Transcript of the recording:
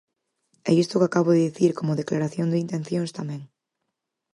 E isto que acabo de dicir como declaración de intencións tamén.